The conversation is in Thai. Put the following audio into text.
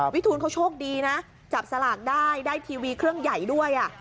วิทูลเขาโชคดีนะจับสลากได้ได้ทีวีเครื่องใหญ่ด้วย